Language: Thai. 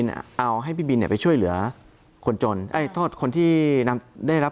การบริหารจัดการ